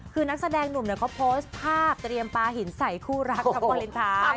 คือนักแสดงหนุ่มเขาโพสต์ภาพเตรียมปลาหินใส่คู่รักครับวาเลนไทย